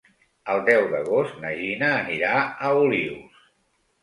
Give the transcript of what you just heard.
El deu d'agost na Gina anirà a Olius.